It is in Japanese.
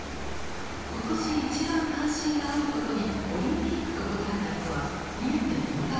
「今年一番関心があること」にオリンピックと答えた人は２．２％。